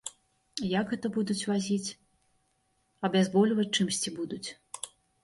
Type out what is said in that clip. Як гэта будуць вазіць, абязбольваць чымсьці будуць.